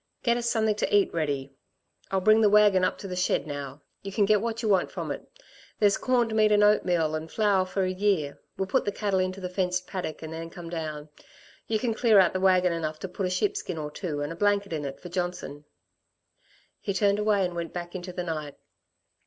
Get us something to eat ready, I'll bring the wagon up to the shed now. You can get what you want from it. There's corned meat and oatmeal and flour for a year. We'll put the cattle into the fenced paddock and then come down. You can clear out the wagon enough to put a sheepskin or two and a blanket in it for Johnson." He turned away and went back into the night.